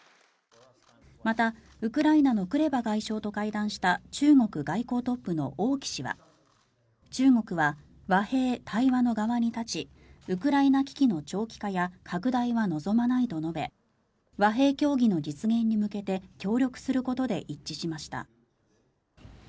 また、ウクライナのクレバ外相と会談した中国外交トップの王毅氏は中国は和平・対話の側に立ちウクライナ危機の長期化や拡大は望まないと述べ和平協議の実現に向けて協力することで一致しました。